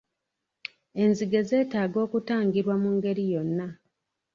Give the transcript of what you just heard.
Enzige zeetaaga okutangirwa mu ngeri yonna.